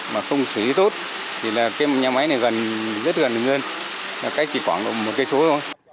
mà không xử lý tốt thì nhà máy này rất gần ngân chỉ khoảng một km thôi